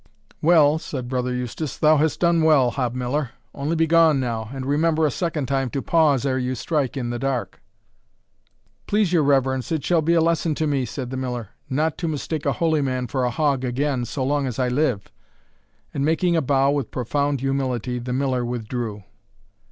"Well!" said Brother Eustace, "thou hast done well, Hob Miller; only begone now, and remember a second time to pause, ere you strike in the dark." "Please your reverence, it shall be a lesson to me," said the miller, "not to mistake a holy man for a hog again, so long as I live." And, making a bow, with profound humility, the miller withdrew.